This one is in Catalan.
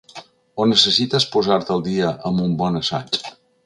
O necessites posar-te al dia amb un bon assaig?